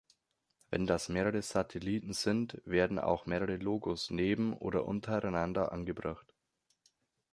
Wenn das mehrere Satelliten sind, werden auch mehrere Logos neben- oder untereinander angebracht.